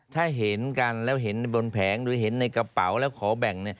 ถ้าเห็นกันแล้วเห็นบนแผงหรือเห็นในกระเป๋าแล้วขอแบ่ง